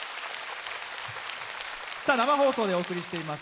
生放送でお送りしています